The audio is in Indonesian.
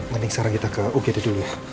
mending sekarang kita ke ugd dulu ya